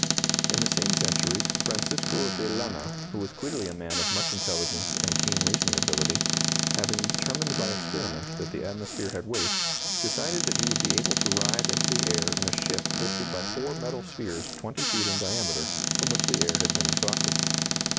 In the same century Francisco de Lana, who was clearly a man of much intelligence and keen reasoning ability, having determined by experiment that the atmosphere had weight, decided that he would be able to rise into the air in a ship lifted by four metal spheres 20 feet in diameter from which the air had been exhausted.